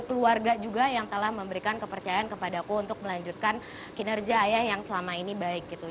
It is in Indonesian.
keluarga juga yang telah memberikan kepercayaan kepada aku untuk melanjutkan kinerja ayah yang selama ini baik gitu